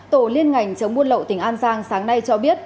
tổ liên ngành chống buôn lậu tỉnh an giang sáng nay cho biết